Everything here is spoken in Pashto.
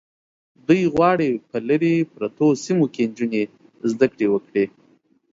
دوی غواړي په لرې پرتو سیمو کې نجونې زده کړې وکړي.